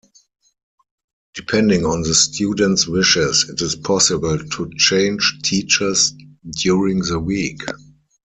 Depending on the student's wishes, it is possible to change teachers during the week.